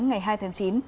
ngày hai tháng chín